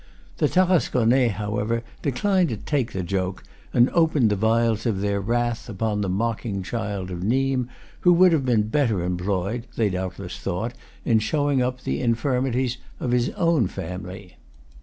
The Tarasconnais, however, declined to take the joke, and opened the vials of their wrath upon the mocking child of Nimes, who would have been better employed, they doubtless thought, in show ing up the infirmities of his own family.